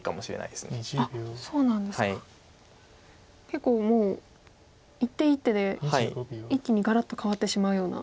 結構もう一手一手で一気にガラッと変わってしまうような。